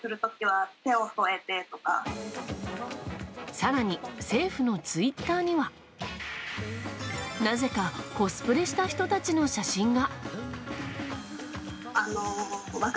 更に、政府のツイッターにはなぜかコスプレした人たちの写真が。